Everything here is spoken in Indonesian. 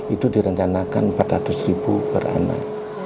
itu direncanakan rp empat ratus ribu per anak